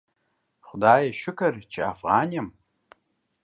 خدایه شکر چی افغان یم